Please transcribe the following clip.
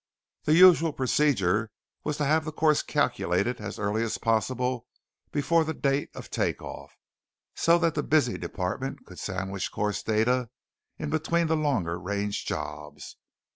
The usual procedure was to have the course calculated as early as possible before the date of take off, so that the busy department could sandwich course data in between the longer range jobs.